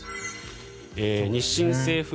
日清製粉